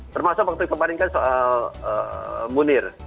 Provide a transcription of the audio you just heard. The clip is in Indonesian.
termasuk waktu kemarin kan soal munir